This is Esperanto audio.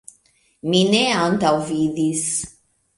Mi ne antaŭvidis.